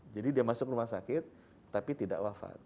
jadi dia masuk rumah sakit tapi tidak wafat